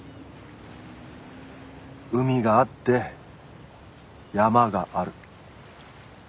海があって山がある。